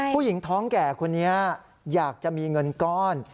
ผู้หญิงท้องแก่คนนี้อยากจะมีเงินก้อน